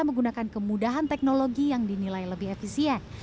menggunakan kemudahan teknologi yang dinilai lebih efisien